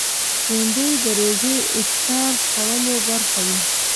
بېنډۍ د روژې افطار خوړلو برخه وي